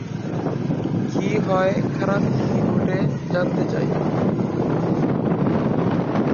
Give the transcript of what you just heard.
‘কী হয়? খারাপ কী কী ঘটে জানতে চাই!’